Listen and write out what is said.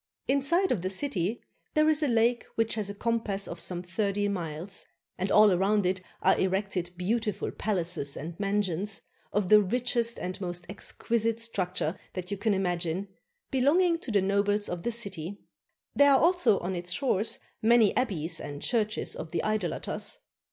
Inside of the city there is a lake which has a compass of some thirty miles: and all round it are erected beau 123 CHINA tiful palaces and mansions, of the richest and most exquisite structure that you can imagine, belonging to the nobles of the city. There are also on its shores many abbeys and churches of the idolaters.